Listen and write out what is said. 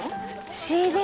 ＣＤ。